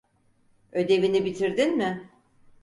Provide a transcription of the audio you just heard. Ödevini bitirdin mi?